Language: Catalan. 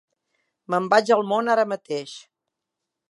Me'n vaig al món ara mateix.